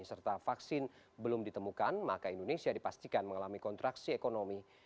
serta vaksin belum ditemukan maka indonesia dipastikan mengalami kontraksi ekonomi